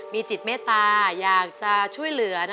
มีจิตเมตตาอยากจะช่วยเหลือ